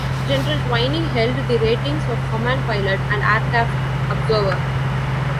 General Twining held the ratings of Command Pilot and Aircraft Observer.